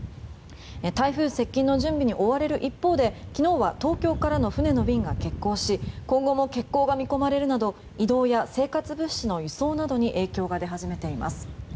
台風接近の準備に追われる一方で昨日は東京からの船の便が欠航し今後も欠航が見込まれるなど移動や生活物資の輸送に影響が出始めています。